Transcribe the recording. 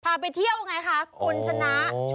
ไปเที่ยวไงคะคุณชนะ